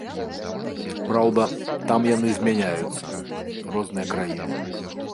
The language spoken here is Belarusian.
Праўда, там яны змяняюцца, розныя краіны.